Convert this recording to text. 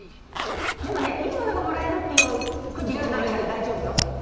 でもねいいものがもらえるっていうくじじゃないから大丈夫よ。